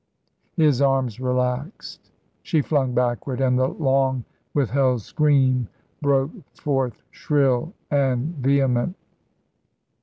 His arms relaxed, she flung backward, and the long withheld scream broke forth shrill and vehement.